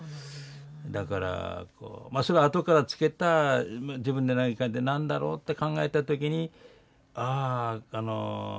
だからそれはあとからつけた自分で何かで何だろうって考えた時にあああの何て言うかな